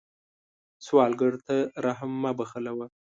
سوالګر ته رحم مه بخلوه